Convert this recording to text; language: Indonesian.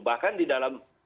bahkan di dalam